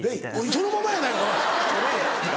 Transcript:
そのままやないかい。